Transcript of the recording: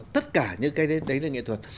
tất cả những cái đấy là nghệ thuật